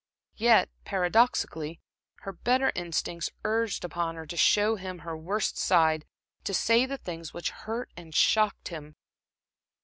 Yet, paradoxically, her better instincts urged upon her to show him her worst side, to say the things which hurt and shocked him.